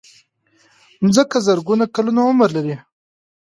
مځکه زرګونه کلونه عمر لري.